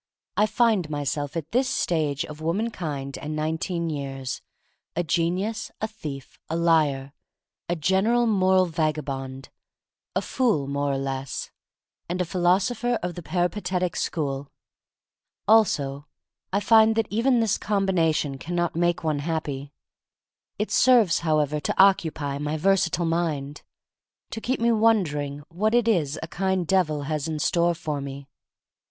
I find myself at this stage of womankind and nineteen years, a genius, a thief, a liar — a general moral vagabond, a fool more or less, and a philosopher of the peripa tetic school. Also I find that even this combination can not make one happy. It serves, however, to occupy my versa tile mind, to keep me wondering what it is a kind Devil has in store for me.